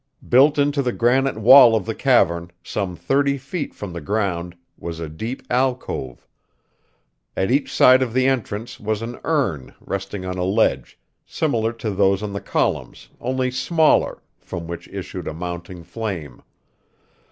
Built into the granite wall of the cavern, some thirty feet from the ground, was a deep alcove. At each side of the entrance was an urn resting on a ledge, similar to those on the columns, only smaller, from which issued a mounting flame.